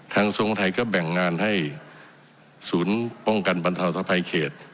ทรงไทยก็แบ่งงานให้ศูนย์ป้องกันบรรเทาสะภัยเขต